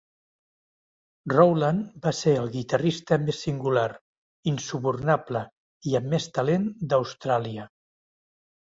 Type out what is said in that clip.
Rowland va ser el guitarrista més singular, insubornable i amb més talent d'Austràlia.